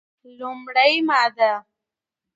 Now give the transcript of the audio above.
لومړې ماده: